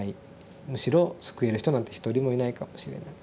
むしろ救える人なんて一人もいないかもしれない。